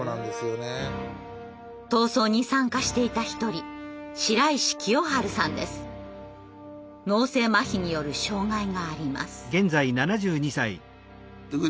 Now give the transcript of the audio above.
闘争に参加していた一人脳性まひによる障害があります。